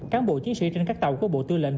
cán bộ chiến sĩ trên các tàu của bộ tư lệnh